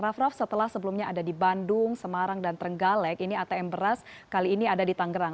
raff raff setelah sebelumnya ada di bandung semarang dan trenggalek ini atm beras kali ini ada di tangerang